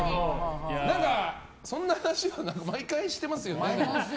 そんな話、毎回してますよね。